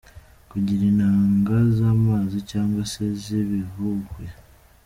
Kugira intanga z’amazi cyangwa se z’ibihuhwe.